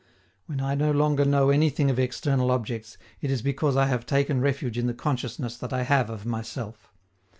When I no longer know anything of external objects, it is because I have taken refuge in the consciousness that I have of myself.